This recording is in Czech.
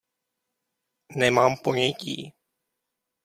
Nemám ponětí.